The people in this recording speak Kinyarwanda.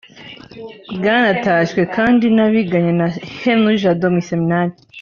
Bwanatashywe kandi n’abiganye na Henri Jado mu iseminari